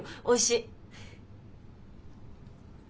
おいしい。